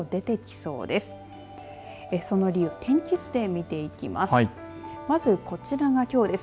その理由天気図で見ていきます。